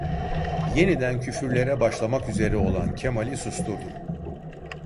Yeniden küfürlere başlamak üzere olan Kemal'i susturdum.